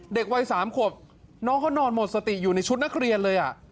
เด็กวัย๓ขวบน้องเขานอนหมดสติอยู่ในชุดนักเรียนเลย